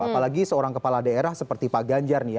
apalagi seorang kepala daerah seperti pak ganjar nih ya